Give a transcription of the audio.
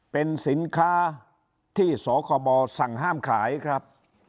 เป็นสินค้าที่สคบสั่งห้ามขายครับ